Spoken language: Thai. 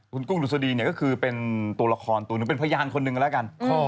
คุณกุ้มดุสดีเนี่ยก็คือเป็นตัวละครเป็นพยานคนนึงแล้วกัน